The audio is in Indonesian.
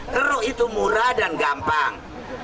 keruk itu murah dan gampang